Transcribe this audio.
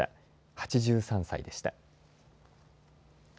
８３歳でした。